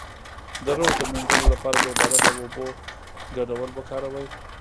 د روح د مینځلو لپاره د عبادت او اوبو ګډول وکاروئ